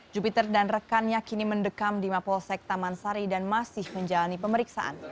jupiter dan rekannya kini mendekam di mapolsek taman sari dan masih menjalani pemeriksaan